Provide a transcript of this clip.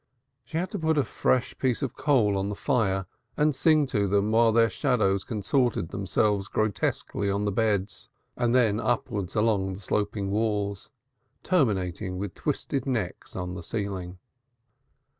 She had to put a fresh piece of coal on the fire and sing to them while their shadows contorted themselves grotesquely on the beds and then upwards along the sloping walls, terminating with twisted necks on the ceiling.